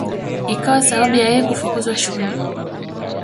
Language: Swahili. Ikawa sababu ya yeye kufukuzwa shule